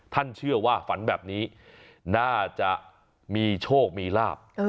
ท่านเชื่อว่าฝันแบบนี้น่าจะมีโชคมีลาบ